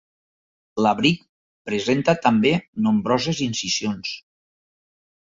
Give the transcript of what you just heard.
L'abric presenta també nombroses incisions.